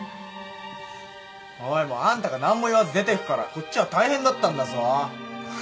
おいもうあんたが何も言わず出てくからこっちは大変だったんだぞ。